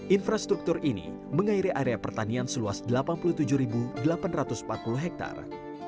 infrastruktur ini mengairi area pertanian seluas delapan puluh tujuh delapan ratus empat puluh hektare